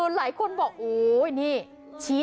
หลายคนบอกอู้ววววววว